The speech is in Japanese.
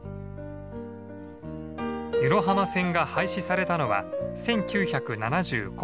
湯野浜線が廃止されたのは１９７５年。